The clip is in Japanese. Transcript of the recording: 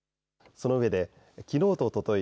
そのうえで、きのうとおととい